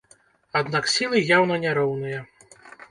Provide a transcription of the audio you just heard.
Аднак сілы яўна няроўныя.